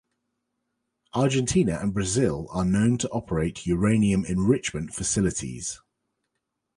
Argentina and Brazil are known to operate uranium enrichment facilities.